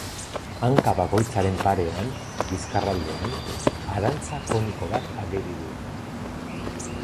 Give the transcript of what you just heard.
Hanka bakoitzaren parean, bizkarraldean, arantza koniko bat ageri du.